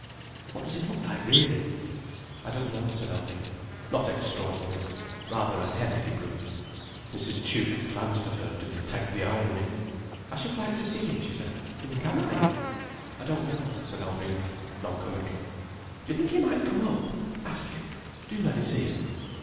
What does he look like, really?" "I don't know," said Alvina. "Not extraordinary. Rather a hefty brute—" Mrs. Tuke glanced at her, to detect the irony. "I should like to see him," she said. "Do you think I might?" "I don't know," said Alvina, non committal. "Do you think he might come up? Ask him. Do let me see him."